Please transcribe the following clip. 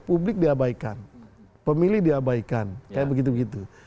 publik diabaikan pemilih diabaikan kayak begitu begitu